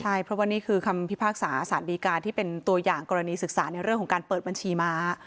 ใช่เพราะว่านี่คือคำพิพากษาสารดีการที่เป็นตัวอย่างกรณีศึกษาในเรื่องของการเปิดบัญชีม้า